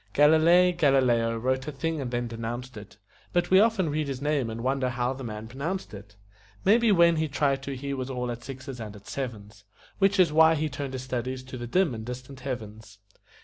Galilei Galileo wrote a thing and then denounced it But we often read his name and wonder how the man pronounced it. Maybe when he tried to he was all at sixes and at sevens, Which is why he turned his studies to the dim and distant heavens.